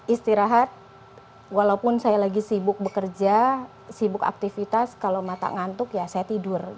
istirahat walaupun saya lagi sibuk bekerja sibuk aktivitas kalau mata ngantuk ya saya tidur